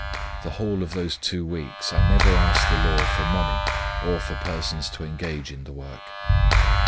The whole of those two weeks I never asked the Lord for money or for persons to engage in the work.